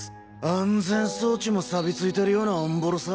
安全装置も錆びついてるようなオンボロさ。